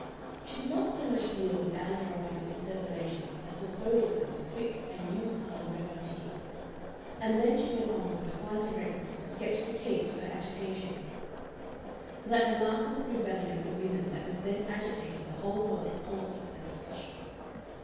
She did not so much deal with Ann Veronica's interpolations as dispose of them with quick and use hardened repartee, and then she went on with a fine directness to sketch the case for her agitation, for that remarkable rebellion of the women that was then agitating the whole world of politics and discussion.